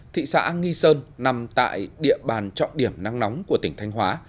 thị xã nghi sơn nằm tại địa bàn trọng điểm nắng nóng của tỉnh thanh hóa